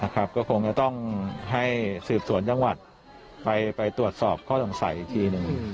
ก็คงจะต้องให้สืบสวนจังหวัดไปตรวจสอบข้อสงสัยอีกทีหนึ่ง